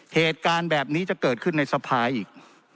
เหตุการณ์แบบนี้จะเกิดขึ้นในสภาอีก